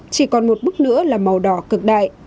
chỉ còn một bức nữa là màu đỏ cực đại